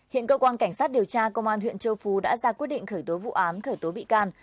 hiện cơ quan cảnh sát điều tra công an huyện châu phú đã ra quyết định khởi tố vụ án khởi tố bị can